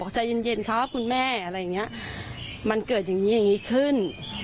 บอกใจเย็นค่ะว่าคุณแม่อะไรอย่างนี้มันเกิดอย่างนี้ขึ้น